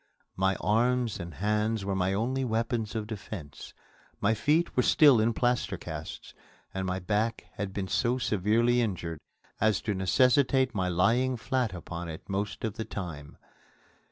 My arms and hands were my only weapons of defence. My feet were still in plaster casts, and my back had been so severely injured as to necessitate my lying flat upon it most of the time.